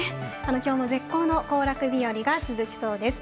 今日も絶好の行楽日和が続きそうです。